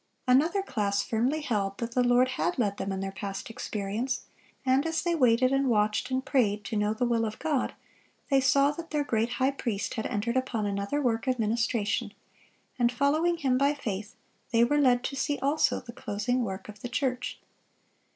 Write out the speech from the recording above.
Another class firmly held that the Lord had led them in their past experience; and as they waited and watched and prayed to know the will of God, they saw that their great High Priest had entered upon another work of ministration, and following Him by faith, they were led to see also the closing work of the church.